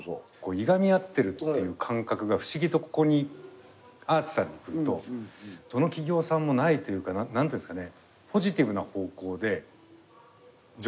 いがみ合ってるっていう感覚が不思議とここにＡＲＣＨさんに来るとどの企業さんもないというかなんていうんですかね